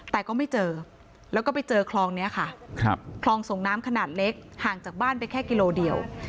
แต่ก็ไม่เจอแล้วก็ไปเจอคลองนี้ค่ะคลองส่งน้ำขนาดเล็กห่างจากบ้านไปแค่กิโลเดียว